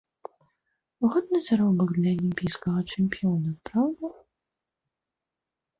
Годны заробак для алімпійскага чэмпіёна, праўда?